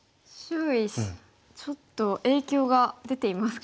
ちょっと影響が出ていますか？